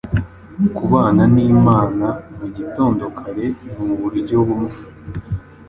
Kubana n’Imana mu gitondo kare ni uburyo bumwe